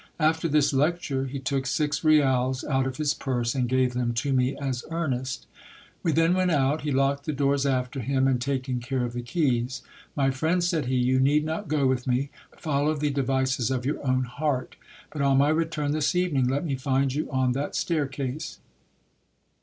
After this lecture, he took six rials out of his purse, and gave them to me as earnest. We then went out, he locked the doors after him, and taking care of the keys — My friend, said he, you need not go with me, follow the de vices of your own heart ; but on my return this evening, let me find you on that _ 1 GIL BIAS'S FIRST PIACE A T MADRID. 77 staircase.